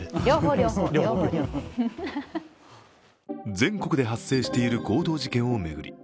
全国で発生している強盗事件を巡り